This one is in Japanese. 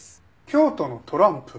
京都のトランプ？